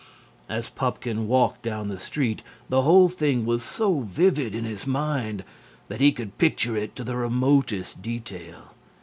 As Pupkin walked down the street, the whole thing was so vivid in his mind that he could picture it to the remotest detail.